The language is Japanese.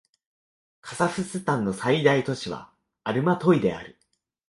カザフスタンの最大都市はアルマトイである